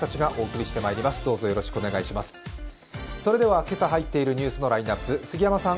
それでは今朝入っているニュースのラインナップ、杉山さん